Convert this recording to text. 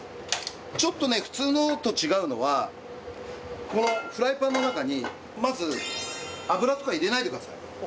ちょっとね普通のと違うのはこのフライパンの中にまず油とか入れないでください。